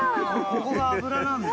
ここが脂なんだ。